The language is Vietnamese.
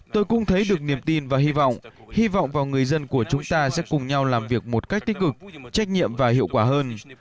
tôi cũng thấy được niềm tin và hy vọng hy vọng vào người dân của chúng ta sẽ cùng nhau làm việc một cách tích cực trách nhiệm và hiệu quả hơn